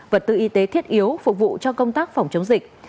vật tư y tế thiết yếu phục vụ cho công tác phòng chống dịch